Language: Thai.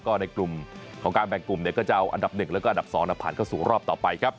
ของการแบ่งกลุ่มก็จะเอาอันดับ๑และอันดับ๒ผ่านเข้าสู่รอบต่อไป